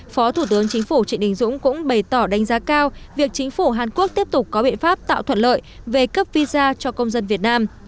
phó thủ tướng chính phủ trịnh đình dũng cũng bày tỏ đánh giá cao việc chính phủ hàn quốc tiếp tục có biện pháp tạo thuận lợi về cấp visa cho công dân việt nam